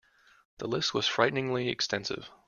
The list was frighteningly extensive.